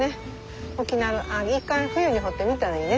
一回冬に掘ってみたらいいね。